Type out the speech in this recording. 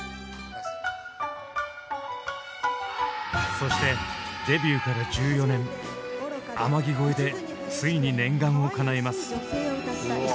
そしてデビューから１４年「天城越え」でついに念願をかなえます。